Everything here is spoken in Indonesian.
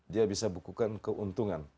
dia bisa bukukan keuntungan